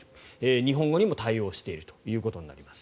日本語にも対応しているということになります。